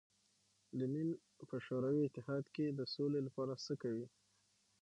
لینین په شوروي اتحاد کې د سولې لپاره څه کوي.